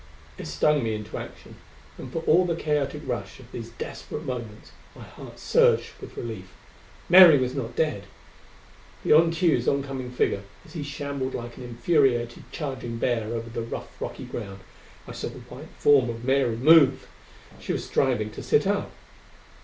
It stung me into action, and for all the chaotic rush of these desperate moments my heart surged with relief. Mary was not dead! Beyond Tugh's oncoming figure, as he shambled like an infuriated charging bear over the rough rocky ground, I saw the white form of Mary move! She was striving to sit up!